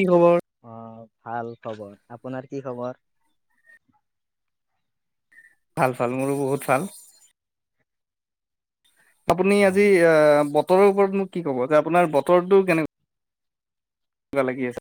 কি খবৰ? অ' ভাল খবৰ। আপোনাৰ কি খবৰ? ভাল, ভাল মোৰো বহুত ভাল। আপুনি আজি হয় অ' বতৰৰ ওপৰত মোক কি ক'ব, যে আপোনাৰ বতৰটো কেনেকুৱা? কিবা লাগি আছে।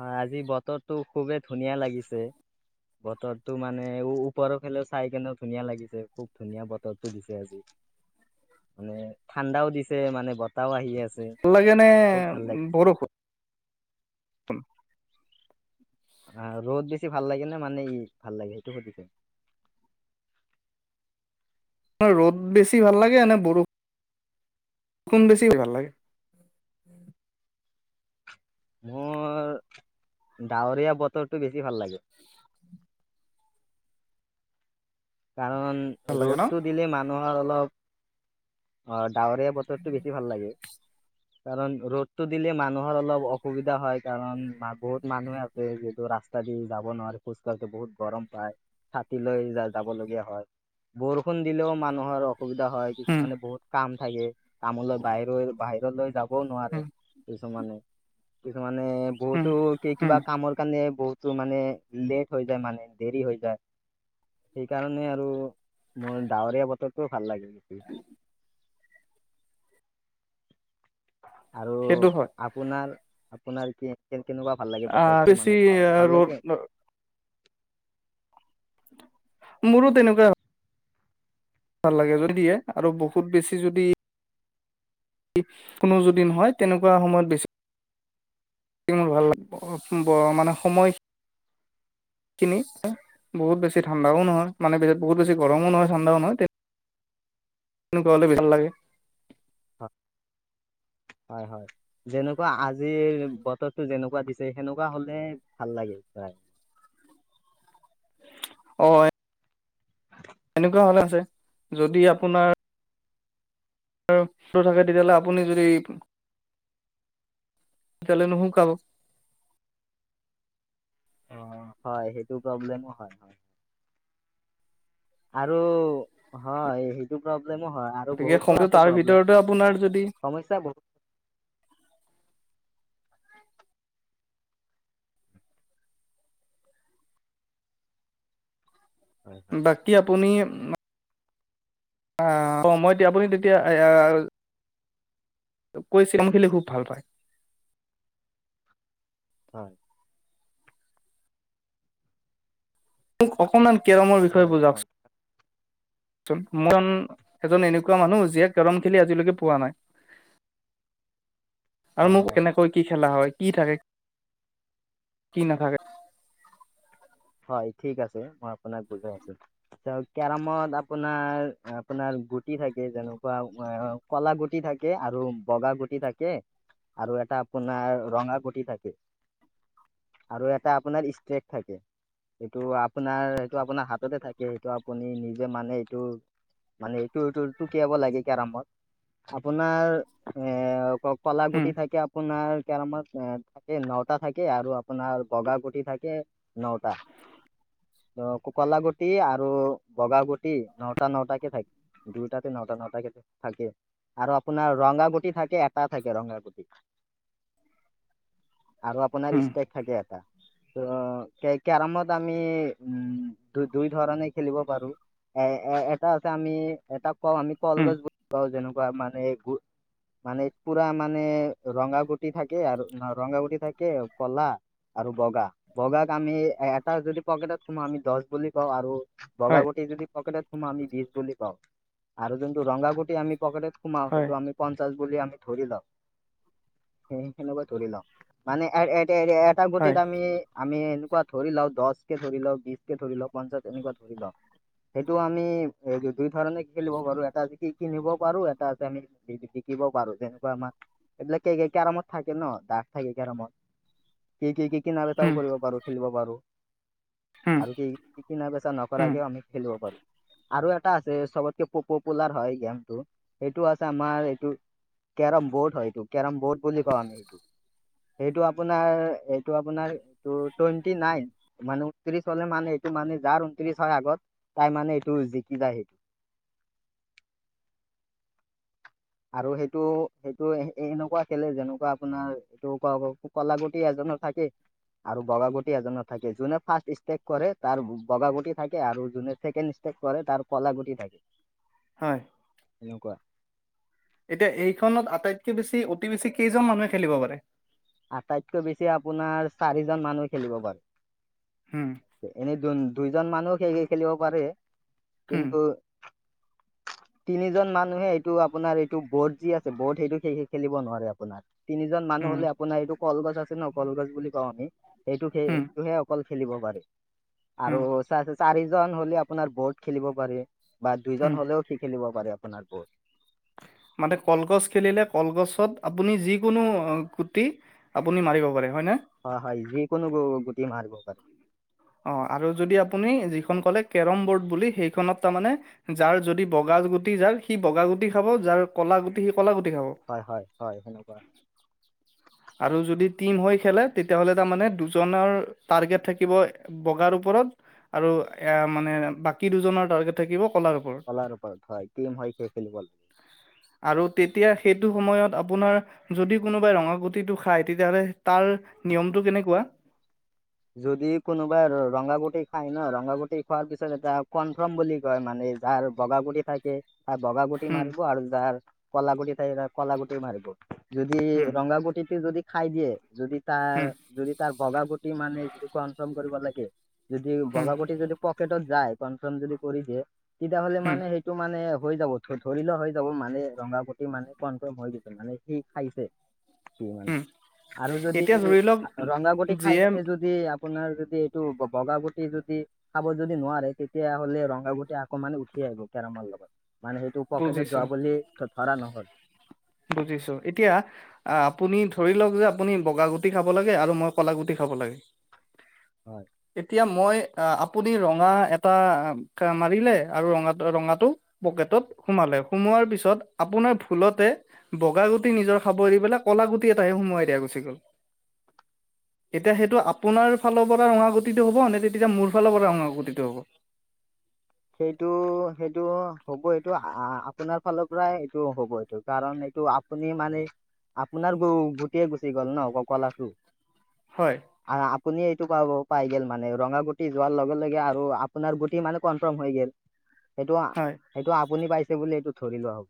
হয়। আজি বতৰটো খুৱেই ধুনীয়া লাগিছে। বতৰটো মানে, ওপৰৰ ফালেও চাই কেনে ধুনীয়া লাগিছে। খুব ধুনীয়া বতৰটো দিছে আজি। মানে ঠাণ্ডাও দিছে, মানে বতাহও আহি আছে। ভাল লাগে নে, খুব ভাল লাগিছে বৰষুণ? উম। অ', ৰ'দ বছি ভাল লাগে নে মানে ইটো ভাল লাগে সেইটো সুধিছে? ৰ'দ বেছি ভাল লাগে নে, বৰষু -বৰষুণ বেছি ভাল লাগে? মোৰ, ডাৱৰীয়া বতৰটো বেছি ভাল লাগে। কাৰণ, ভাল লাগে ন? ৰ'দটো দিলে মানুহৰ অলপ অ' ডাৱৰীয়া বতৰটো বেছি ভাল লাগে। কাৰণ, ৰ'দটো দিলে মানুহৰ অলপ অসুবিধা হয়। কাৰণ বহুত মানুহে যিহেতু, ৰাস্তা দি যাব নোৱাৰে খোজকাঢ়োতে বহুত গৰম পায় ছাতি লৈ য-যাব লগীয়া হয়। বৰষুণ দিলেওঁ মানুহৰ অসুবিধা হয়। উম মানে বহুত কাম থাকে, কামলৈ বাহিৰ বাহিৰলৈ যাব নোৱাৰে উম কিছুমানে, কিছুমানে উম বহুতো কিবা উম কামৰ কাৰণে বহুত টো মানে লেট হৈ যায় মানে, দেৰি হৈ যায়। সেইকাৰণে আৰু মোৰ ডাৱৰীয়া বতৰটোৱে ভাল লাগে বেছি। আৰু সেইটো হয়। আপোনাৰ, আপোনাৰ কি কে কেনেকুৱা ভাল লাগে অ', বতৰটো মানে বেছি গাঁৱৰে ভাল লাগে ৰ'দ মোৰো তেনেকুৱা। ভাল লাগে, যদি দিয়ে আৰু বহুত বেছি যদি কোনো যদি নহয়, তেনেকুৱা সময়ত বেছি মোৰ ভাল [unintelligible] মানে সময়খিনি। বহুত বেছি ঠাণ্ডও নহয়, মানে বহুত বেছি গৰমো নহয়, ঠণ্ডাও নহয় তেনেকুৱা হ'লে ভাল লাগে। হয়, হয়, হয়। যেনেকুৱা আজিৰ বতৰটো যেনেকুৱা দিছে, সেনেকুৱা হ'লে ভাল লাগে চাই। অ' [inaudible] এনেকুৱা হ'লে আছে, যদি আপোনাৰ থাকে, তেতিয়া হ'লে আপুনি যদি তেতিয়াহ'লে নুশুকাব। অ', হয় সেইটো প্ৰব্লেমো হয়, হয়। আৰু হয়। টো প্ৰব্লেমো হয়, আৰু গতিকে বহুতো সময়টো আছে তাৰ প্ৰব্লেম ভিতৰতে আপোনাৰ যদি সমস্যা বহুত হয় হয় বাকী আপুনি অ', অ', মই এতিয়া আপুনি তেতিয়া কৈ চম খেলি খুব ভাল পায়। হয়। মোক অকণমান কেৰমৰ বিষয়ে হয় হয় বুজাওকচ [inaudible] মই এজন এনেকুৱা মানুহ যিয়ে কেৰম খেলি আজিলৈকে পোৱা নাই। আৰু মোক অ এনে হয় কি খেলা হয়, কি থাকে, কি নাথাকে। হয়, ঠিক আছে। মই আপোনাক বুজাই আছো। কেৰমত আপোনাৰ, আপোনাৰ গুটি থাকে যেনেকুৱা কলা গুটি থাকে, আৰু বগা গুটি থাকে। আৰু এটা আপোনাৰ ৰঙা গুটি থাকে। আৰু এটা আপোনাৰ ইষ্ট্ৰেক থাকে। এইটো আপোনাৰ, সেইটো আপোনাৰ হাততে থাকে। সেইটো আপুনি নিজে মানে এইটো মানেটো, [unintelligible] টুকিয়াব লাগে কেৰামত আপোনাৰ এ ক-কলা উম গুটি থাকে, আপোনাৰ কেৰমত এ, থাকে নটা থাকে, আৰু আপোনাৰ বগা গুতি থাকে নটা। ত' কলা গোটি আৰু বগা গোটি নটা, নটা কে থাকে। দুইটাতে নটা, নটাকে থাকে। আৰু আপোনাৰ ৰঙা গুটি থাকে, এটা থাকে ৰঙাগুটি। আৰু আপোনাৰ উম ইষ্ট্ৰেক থাকে এটা অ', কেৰামত আমি উম, দু-দুই ধৰণে খেলিব পাৰো। এ-এ-এটা আমি এটা কওঁ আমি উম কলগছ বুলি পাওঁ যেনেকুৱা মানে মানে পুৰা মানে, ৰঙাগুটি থাকে। আৰু ন ৰংঙাগুটি থাকে কলা। আৰু বগা, বগাক আমি এ তাৰ যদি পকেটত সোমাও আমি দহ বুলি কওঁ, আৰু বগা হয় গুটি যদি পকেটত সোমাও বিজ বুলি কওঁ আৰু যোনটো ৰংঙা‍ গুটি আমি পকেটত খোমাও সেইটো হয় আমি পঞ্চাশ বুলি আমি ধৰি লওঁ, সেইনেকুৱা ধৰি লও মানে হয় গুতিত আমি, আমি এনেকুৱা ধৰি লও দহকে ধৰি লও, বিশকে ধৰি লওক, পঞ্চাছ এনেকুৱা ধৰি লও। সেইটো আমি এ, দুই ধৰণে কি খেলিব পাৰো, এটা আচে কি কিনিব পাৰো এটা আচে আমি শিকিব পাৰো, যেনেকুৱা আমাৰ এইবিলাক কে-কেৰমত থাকে ন' ডাক থাকে কেৰমত। কি-কি-কি-কিনা উম বেচাও কৰিব পাৰো, খেলিবও পাৰো। উম আৰু কি-কি-কিনা বেচা উম নকৰাকেও আমি খেলিব পাৰোঁ। আৰু এটা আছে চবতকে প-পপুলাৰ হয় গেমটো সেইটো আছে আমাৰ এইটো কেৰম বৰ্ড হয় এইটো কেৰম বৰ্ড বুলি কওঁ আমি এইটো। সেইটো আপোনাৰ এইটো আপোনাৰ এইটো টুৱেণ্টি নাইন। মানে ঊনত্ৰিশ হলে মানে এইটো মানে যাৰ ঊনত্ৰিশ হয় আগত তাই মানে এইটো জিকি যায় সেইটো। আৰু সেইটো সেইটো এনেকুৱা খেলে যেনেকুৱা আপোনাৰ এইটো কোৱা কলাগুটি এজনৰ থাকে আৰু বগা গুটি এজনৰ থাকে যোনে ফাৰ্ষ্ট ইষ্টেক কৰে তাৰ বগা গুটি থাকে আৰু যোনে ছেকেণ্ড ষ্টে কৰে তাৰ কলা গুটি থাকে। হয়। এনেকুৱা। এতিয়া এইখনত আটাইতকে বেছি অতি বেছি কেইজন মানুহে খেলিব পাৰে? আটাইতকৈ বেছি আপোনাৰ চাৰিজন মানুহ খেলিব পাৰে। হম। এনেই দু-দুইজন মানুহ খে-খে-খেলিব পাৰে উম কিন্তু তিনিজন মানুহে এইটো আপোনাৰ এইটো বৰ্ড যি আছে বৰ্ড সেইটো খেলিব নোৱাৰে আপোনাৰ। তিনিজন মানুহ উম হ'লে আপোনাৰ এইটো কলগছ আছে ন কলগছ বুলি কওঁ আমি সেইটো সেই হুম, সেইটোহে খেলিব পাৰি হুম, আৰু চা-চাৰিজন হলে আপোনাৰ বৰ্ড খেলিব পাৰে। বা হুম। দুইজন হ'লেও সি খেলিব পাৰে আপোনাৰ বহুত। মানে কলগছ খেলিলে কলগছত আপুনি যিকোনো গুটি আপুনি মাৰিব পাৰে হয়নে? হয়, হয় যিকোনো গো-গুটি মাৰিব পাৰে। অ', আৰু যদি আপুনি যিখন ক'লে কেৰম বৰ্ড বুলি সেইখনত তাৰমানে। যাৰ যদি বগা গুটি যাৰ সি বগা গুটি খাব যাৰ কলা গু সি ক'লা গুটি খাব। হয় হয় সেনেকুৱা হয় আৰু যদি টিম হৈ খেলে তেতিয়াহ'লে তাৰমানে দুজনৰ টাৰ্গেট থাকিব। বগাৰ ওপৰত আৰু এ, মানে বাকী দুজনৰ টাৰ্গেট থাকিব কলাৰ ওপৰত। কলাৰ ওপৰত হয়, টিম হয় খে-খেলিব লাগে। আৰু তেতিয়া সেইটো সময়ত আপোনাৰ। যদি কোনোবাই ৰঙা গুটিটো খায়, তেতিয়াহলে তাৰ নিয়মটো কেনেকুৱা? যদি কোনোবাই ৰঙা গুটি খায় ন, ৰঙা গুটি খোৱাৰ পিছত এটা কনফাৰ্ম বুলি কয় মানে। যাৰ বগাগুটি থাকে। বগা গুটি হুম, মাৰিব আৰু যাৰ কলা গুটি কলা গুটি মাৰিব। যদি হুম, ৰঙা গুটিটো যদি খাই দিয়ে যদি তাৰ হুম, যদি তাৰ বগা গুটি। মানে যদি কনফাৰ্ম কৰিব লাগে, যদি হুম, বগাগুটি যদি প যায় কনফ্ৰম যদি কৰি দিয়ে তেতিয়াহ'লে হুম, মানে সেইটো মানে হৈ যাব। ধৰি লোৱা হৈ যাব মানে, ৰঙাগুটি মানে কনফ্ৰম হৈ দিছে মানে সি খাইছে। কি মানে হুম। আৰু যদি এতিয়া ধৰি লওক ৰঙাগুটি খাই যিয়ে য যদি আপোনাৰ যদি এইটো বগাগুটি যদি। খাব যদি নোৱাৰে তেতিয়াাহ'লে ৰঙা গুটি আকৌ মানে উঠি আহিব কেৰমৰ লগত মানে সেই। তোৰ পকেটত বুজিছো, যোৱা বুলি ধৰা নহ'ল। বুজিছোঁ এতিয়া। আপুনি ধৰি লওঁক যে আপুনি বগা গুটি খাব লাগে আৰু মই ক'লা গুটি খাব লাগে। হয়। এতিয়া মই আপুনি ৰঙা এটা মাৰিলে আৰু ৰঙা ৰঙাটো। পকেটত সোমালে সোমোৱাৰ পিছত আপোনাৰ ভুলতে। বগা গুটি নিজৰ খাব এই পেলাই কলা গুটি এটাহে সোমাই দিয়া গুচি গ'ল। [inaudible] এতিয়া সেইটো আপোনাৰ ফালৰ পৰা ৰঙা গুতিটো হ'ব নে, তেতিয়া মোৰ ফালৰ পৰা ৰঙা গতিটো হ'ব? সেইটো, সেইটো হ'ব এইটো আপোনাৰ ফালৰ পৰাই এইটো হ'ব এইটো কাৰণ এইটো। আপুনি মানে আপোনাৰ গু-গুতিয়েই গুচি গ'ল ন কলাটো। হয়। আপুনি এইটো পা-পাই গ'ল মানে ৰঙা গুটি যোৱাৰ লগে লগে আৰু আপোনাৰ গুটি মানে ক সেইটো, হয়। সেইটো আপুনি পাইছে বুলি এইটো ধৰি লোৱা হ'ব।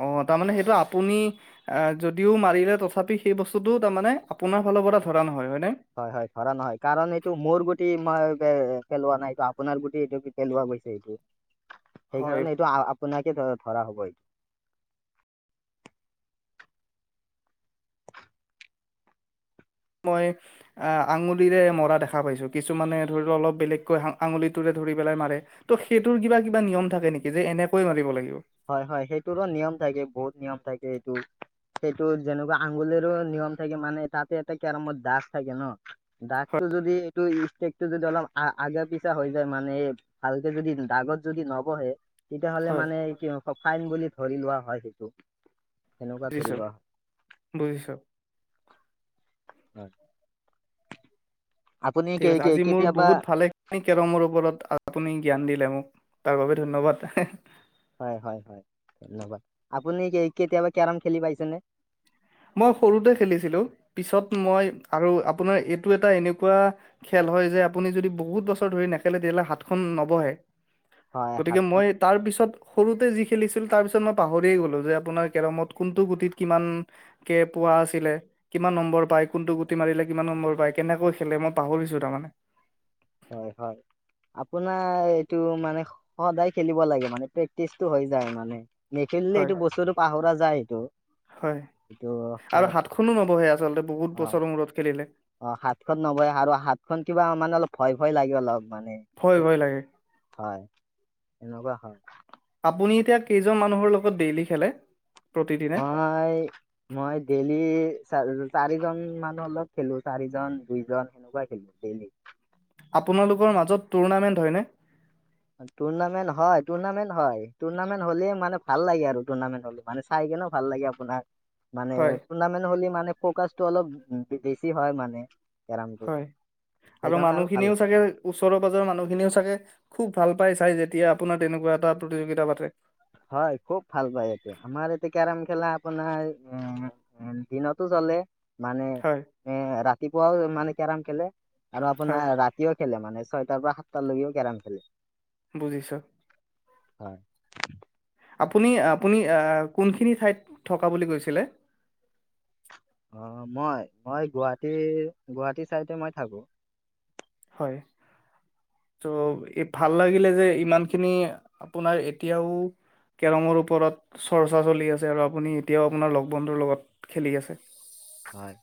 অ', তাৰমানে সেইটো আপুনি। আহ, যদিও মাৰিলে তথাপি সেই বস্তুতটো তাৰমানানে আপোনাৰ ফালৰ পৰা ধৰা নহয় হয় নে? হয়, হয় ধৰা নহয় কাৰণ এইটো মোৰ গুটি মই পেলোৱা নাই এইটো আপোনাৰ গুটি এইটো। পেলোৱা গৈছে এইটো, হয়, সেইকাৰণে এইটো আপোনাকে ধৰা হব এইটো। মই। আঙুলিৰে মৰা দেখা পাইছোঁ, কিছুমানে ধৰি লওক অলপ বেলেগকৈ আঙুলিটোৰে ধৰি পেলাই মাৰে। ত'সেইটোৰ কিবা, কিবা নিয়ম থাকে নেকি যে এনেকৈ মাৰিব লাগিব? হয়, হয় সেইটোৰো নিয়ম থাকে বহুত নিয়ম থাকে এইটো। সেইটো যেনেকুৱা আঙুলিৰো নিয়ম থাকে মানে তাতে এটা কেৰমত ডাচ থাকে ন। হয়। দাগটো যদি এইটোষ্টেকটো যদি অলপ আগা পিছা হৈ যায় মানে। ভালকে যদি দাগত যদি নবহে। তেতিয়াহ'লে হয়। মানে কি ফাইন বুলি ধৰি লোৱা হয় সেইটো। সেনেকুৱা যি চ ধৰি লোৱা হয় বুজিছোঁ। হয় আপুনি ঠিক কে আছে কে আজি মোৰ কেতিয়াবা বহুত ভালে কেৰমৰ ওপৰত আপুনি জ্ঞান দিলে মোক তাৰ বাবোবে ধন্যবাদ। হয়, হয়, হয় ধন্যবাদ আপুনি কেতিয়াবা কেৰম খেলি পাইছেনে? মই সৰুতে খেলিছিলো, পিছত মই আৰু আপোনাৰ এইটো এটা এনেকুৱা খেল হয় যে আপুনি যদি বহুত বছৰ ধৰি নেখেলে, তেতিয়াহ'লে হাতখন নবহে। হয় গতিকে হাতখন মই তাৰ পিছত সৰুতে যি খেলিছিল তাৰ পিছত মই পাহৰিয়ে গ'লো, যে আপোনাৰ কেৰমত কোনটো গুতিত কিমান কে পোৱা আছিলে কিমান নম্বৰ পায়, কোনটো গুটি মাৰিলে কিমান নম্বৰ পায়, কেনেকৈ খেলে, মই পাহৰিছো তাৰমানে। হয়, হয়। আপোনাৰ এইটো মানে সদায় খেলিব লাগে, মানে প্ৰেক্টিচটো হৈ যায় মানে। নেখেলিলে হয় এইটো বস্তুটো পাহৰা যায় সিটো। হয় আৰু হাতখনো নবহে আচলতে বহুত অ বছৰৰ মূৰত খেলিলে। অ' হাত খন নবহে আৰু হাতখন কিবা মানে অলপ ভয় ভয় লাগে অলপ মানে। ভয়, ভয় লাগে। হয়, এনেকুৱা হয়। আপুনি এতিয়া কেইজন মানুহৰ লগত ডেইলি খেলে প্ৰতিদিনে? [unintelligible] মই ডেইলি চ চাৰিজন মানুহ অলপ খেলো চাৰিজন দুইজন। বাই খেলো ডেইলি। আপোনালোকৰ মাজত টুৰণামেণ্ট হয়নে? টুৰ্ণামেণ্ট হয়, টুৰ্ণামেণ্ট হয় টুৰ্ণামেণ্ট হ'লে মানে ভাল লাগে আৰু টুনামেণ্ট হ'লে। মানে চাই কিনে ভাল লাগে আপোনাক। মানে হয় টুৰ্ণামেণ্ট হ'লে মানে ফকাচটো অলপ বেছি হয় মানে। কেৰমটো হয়, আৰু সেইকাৰণে ভাল মানুহখিনিওঁ লাগে। চাগে ওচৰৰ পাজৰৰ মানুহখিনিও চাগে খুব ভাল পাই চাই, যেতিয়া আপোনাৰ তেনেকুৱা এটা প্ৰতিযোগিতা পাতে। হয়, খুব ভাল পায়, এইটো আমাৰ এতিয়া কেৰম খেলা আপোনাৰ উম এ দিনতো চলে। মানে হয় এ ৰাতিপুৱাও মানে কেৰম খেলে আৰু হয় আপোনাৰ ৰা তিও খেলে, মানে ছয়টাৰ পৰা সাতটালকেও কেৰম খেলে। বুজিছোঁ। হয়। আপুনি আপুনি কোনখিনি ঠাইত থকা বুলি কৈছিলে? অ' মই মই গুৱাহাটী গুৱাহাটী চাইড মই থাকো। হয়। ত' ভাল লাগিলে যে ইমানখিনি আপোনাৰ এতিয়াও কেৰমৰ ওপৰত চৰ্চা চলি আছে, আৰু আপুনি এতিয়াও আপোনাৰ লগ বন্ধুৰ লগত খেলি আছে। হয়।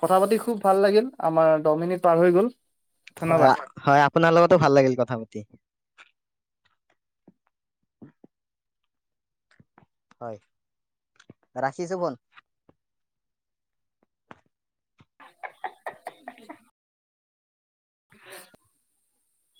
কথা পাতি খুব ভাল লাগিল, আমাৰ দহ মিনিট পাৰ হৈ গ'ল। হয়, ধন্যবাদ হয় আপোনাৰ লগতো ভাল লাগিল কথা পাতি। হয় হয়, ৰাখিছোঁ ফোন।